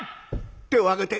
「手を上げて。